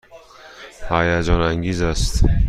هیجان انگیز است.